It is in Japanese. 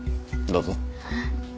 どうぞ。